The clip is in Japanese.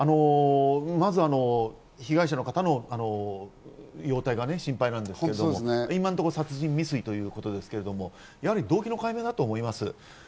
まずは被害者の方の容体が心配なんですけれども、今のところ殺人未遂ということですけど、動機の解明だと思います。